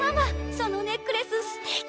そのネックレスすてき！